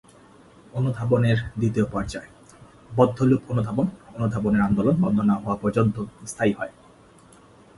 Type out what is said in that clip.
অনুধাবনের দ্বিতীয় পর্যায়, বদ্ধ-লুপ অনুধাবন, অনুধাবনের আন্দোলন বন্ধ না হওয়া পর্যন্ত স্থায়ী হয়।